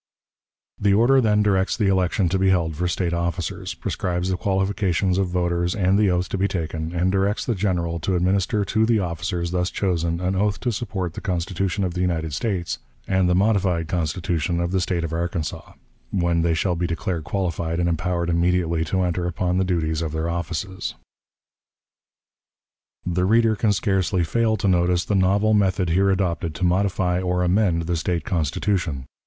The order then directs the election to be held for State officers, prescribes the qualifications of voters and the oath to be taken, and directs the General to administer to the officers thus chosen an oath to support the Constitution of the United States, and the "modified Constitution of the State of Arkansas," when they shall be declared qualified and empowered immediately to enter upon the duties of their offices. The reader can scarcely fail to notice the novel method here adopted to modify or amend the State Constitution.